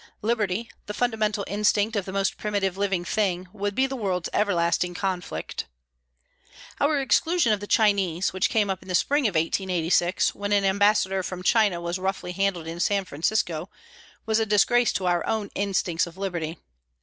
Liberty, the fundamental instinct of the most primitive living thing, would be the world's everlasting conflict. Our exclusion of the Chinese, which came up in the spring of 1886, when an Ambassador from China was roughly handled in San Francisco, was a disgrace to our own instincts of liberty.